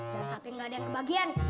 jangan sampai nggak ada yang kebagian